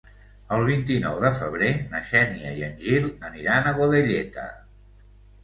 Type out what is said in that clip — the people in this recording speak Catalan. El vint-i-nou de febrer na Xènia i en Gil aniran a Godelleta.